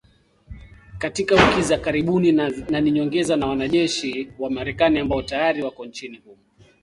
katika wiki za karibuni na ni nyongeza ya wanajeshi wa Marekani ambao tayari wako nchini humo